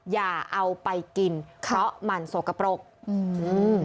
อย่าเอาไปกินเพราะมันสกปรกอืมอืม